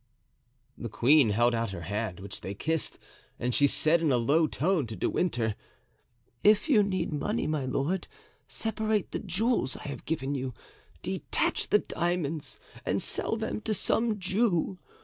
The queen held out her hand, which they kissed, and she said in a low tone to De Winter: "If you need money, my lord, separate the jewels I have given you; detach the diamonds and sell them to some Jew.